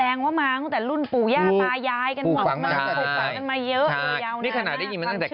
แสดงลุ่นปู่แย้นปายาย